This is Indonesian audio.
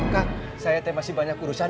kak saya masih banyak urusan